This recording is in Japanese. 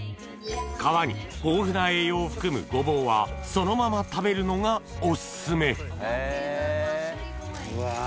皮に豊富な栄養を含むごぼうはそのまま食べるのがお薦めうわぁ。